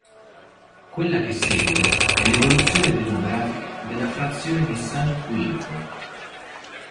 Quella che segue è l'evoluzione demografica della frazione di San Quirico.